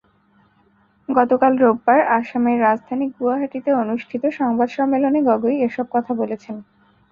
গতকাল রোববার আসামের রাজধানী গুয়াহাটিতে অনুষ্ঠিত সংবাদ সম্মেলনে গগৈ এসব কথা বলেছেন।